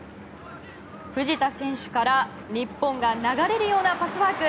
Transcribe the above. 藤田選手から日本が流れるようなパスワーク。